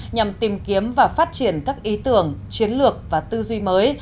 nhằm tìm kiếm và phát triển các ý tưởng chiến lược và tư duy mới